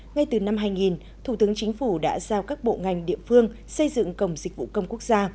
ngay từ năm hai nghìn thủ tướng chính phủ đã giao các bộ ngành địa phương xây dựng cổng dịch vụ công quốc gia